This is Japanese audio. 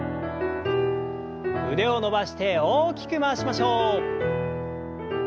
腕を伸ばして大きく回しましょう。